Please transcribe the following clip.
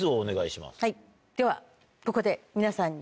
はいではここで皆さんに。